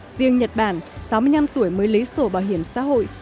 riêng nhật bản sáu mươi năm tuổi mới lấy sổ bảo hiểm xã hội